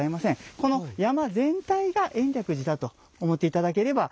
この山全体が延暦寺だと思って頂ければ。